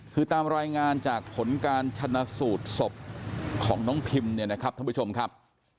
คือตามรายงานจากผลการชนะสูตรศพของน้องพิมเนี่ยนะครับท่านผู้ชมครับ